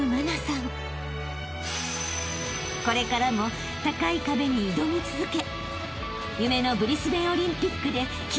［これからも高い壁に挑み続け］